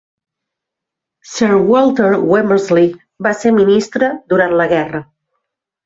Sir Walter Womersley va ser ministre durant la guerra.